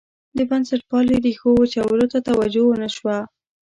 د بنسټپالنې ریښو وچولو ته توجه ونه شوه.